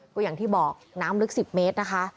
ก็อย่างที่บอกน้ำลึก๑๐เมตรนะคะ